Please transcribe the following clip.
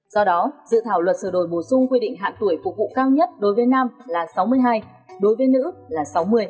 do đó dự thảo luật sửa đổi bổ sung quy định hạn tuổi phục vụ cao nhất đối với nam là sáu mươi hai đối với nữ là sáu mươi